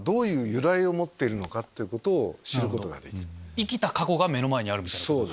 生きた過去が目の前にあるみたいなこと。